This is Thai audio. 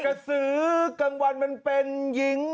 กระสือกลางวันมันเป็นหญิง